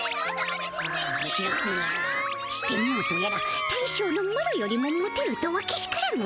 四天王とやら大将のマロよりもモテるとはけしからん！